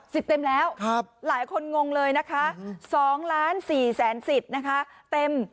สิทธิ์เต็มแล้วหลายคนงงเลยนะคะ๒๔ล้านสิทธิ์นะคะเต็ม